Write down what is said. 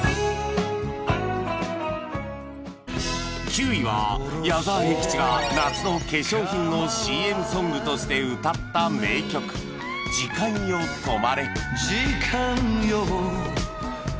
９位は矢沢永吉が夏の化粧品の ＣＭ ソングとして歌った名曲『時間よ止まれ』